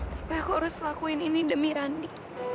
tapi aku harus lakuin ini demi randi